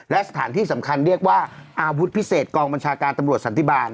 และสถานที่สำคัญเรียกว่าอาวุธพิเศษกองบัญชาการตำรวจสันติบาล